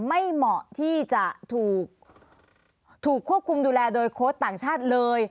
เหมาะที่จะถูกควบคุมดูแลโดยโค้ชต่างชาติเลย